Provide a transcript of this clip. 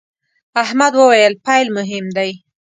احمد وويل: پیل مهم دی.